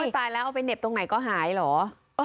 ตายแล้วเอาไปเหน็บตรงไหนก็หายเหรอ